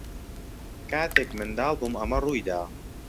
کاتێک منداڵ بووم ئەمە ڕووی دا.